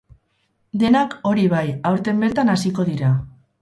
Denak, hori bai, aurten bertan hasiko dira.